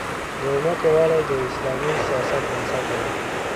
د امت یووالی د اسلامي سیاست بنسټ دی.